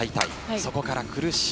そこから苦しい。